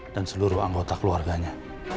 dan seluruh anggota keluarganya